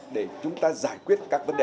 để chúng ta giải quyết các vấn đề